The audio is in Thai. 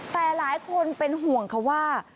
แต่หลายคนห่วงว่า